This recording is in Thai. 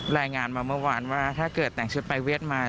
รายงานมาเมื่อวานว่าถ้าเกิดแต่งชุดไปเวียดมา